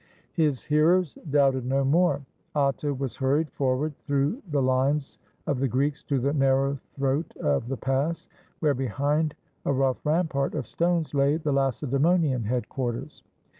His hearers doubted no more. Atta was hurried forward through the lines of the Greeks to the narrow throat of the pass, where behind a rough rampart of stones lay the Lacedaemonian headquarters.